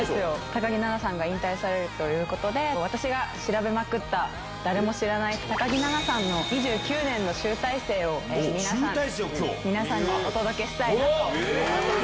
高木菜那さんが引退されるということで、私が調べまくった、誰も知らない高木菜那さんの２９年の集大成を皆さんにお届けしたいなと。